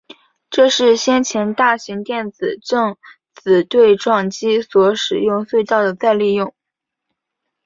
这是先前大型电子正子对撞机所使用隧道的再利用。